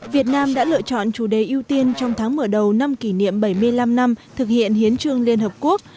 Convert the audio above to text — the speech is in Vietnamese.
việt nam đã lựa chọn chủ đề ưu tiên trong tháng mở đầu năm kỷ niệm bảy mươi năm năm thực hiện hiến trương liên hợp quốc